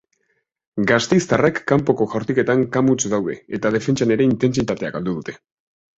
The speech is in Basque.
Gasteiztarrek kanpoko jaurtiketan kamuts daude eta defentsan ere intentsitatea galdu dute.